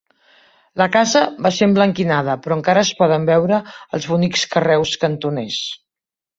La casa va ser emblanquinada, però encara es poden veure els bonics carreus cantoners.